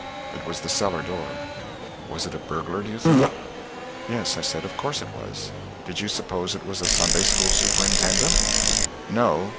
"It was the cellar door." "Was it a burglar, do you think?" "Yes," I said, "of course it was. Did you suppose it was a Sunday school superintendent?" "No.